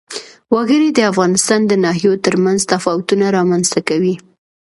وګړي د افغانستان د ناحیو ترمنځ تفاوتونه رامنځ ته کوي.